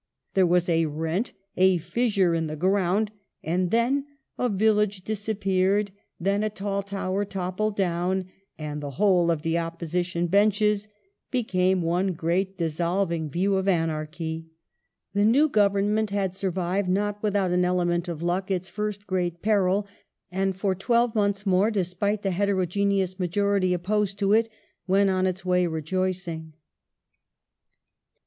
There was a rent, a fissure in the ground, and then a village disappeared, then a tall tower toppled down, and the whole of the opposition benches be came one great dissolving view of anarchy." ^ The new Government had survived, not without an element of luck, its first great peril, and for twelve months more, despite the heterogeneous majority opposed to it, went on its way rejoicing.